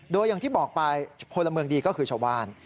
โดยอย่างที่บอกไปพลเมืองดีก็คือชาวบ้าน